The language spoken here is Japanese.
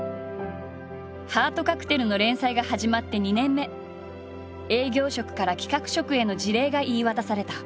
「ハートカクテル」の連載が始まって２年目営業職から企画職への辞令が言い渡された。